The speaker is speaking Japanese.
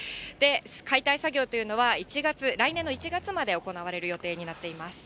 解体作業というのは、１月、来年の１月に行われる予定になっています。